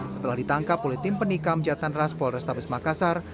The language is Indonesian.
setelah ditangkap oleh tim penikam jatan ras polrestabes makassar